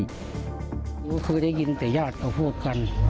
ก็คือได้ยินแต่ญาติเขาพูดกัน